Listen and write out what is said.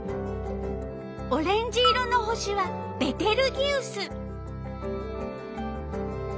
オレンジ色の星はベテルギウス。